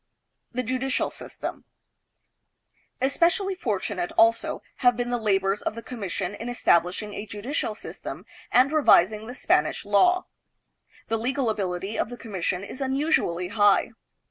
The Judicial System. Especially fortunate, also, have been the labors of the commission in establishing a judi cial system and revising the Spanish law. The legal 314 THE PHILIPPINES. ability of the commission is unusually high.